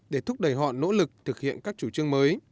để thúc đẩy họ nỗ lực thực hiện các chủ trương mới